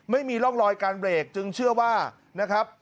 ไม่มีร่องรอยการเบรกจึงเชื่อว่านะครับ